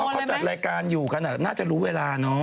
เขาจัดรายการอยู่กันน่าจะรู้เวลาเนอะ